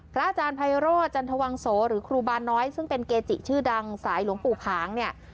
อาจารย์ไพโรธจันทวังโสหรือครูบาน้อยซึ่งเป็นเกจิชื่อดังสายหลวงปู่ผางเนี่ย